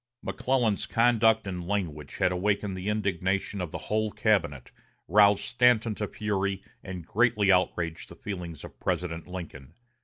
McClellan's conduct and language had awakened the indignation of the whole cabinet, roused Stanton to fury, and greatly outraged the feelings of President Lincoln.